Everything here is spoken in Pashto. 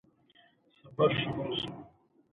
افغانستان د سولې تږی دی